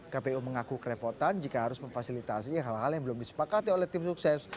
kpu mengaku kerepotan jika harus memfasilitasi hal hal yang belum disepakati oleh tim sukses